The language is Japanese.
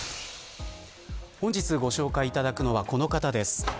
本日ご紹介いただくのはこの方です。